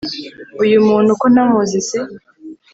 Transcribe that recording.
uyu muntu ko ntamuzi se?